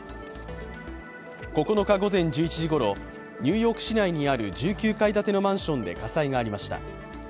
９日午前１１時ごろ、ニューヨーク市内にある１９階建てのマンションで火災がありました。